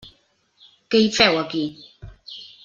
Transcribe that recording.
Què hi feu, aquí?